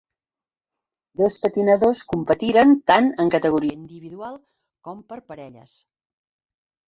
Dos patinadors competiren tant en categoria individual com per parelles.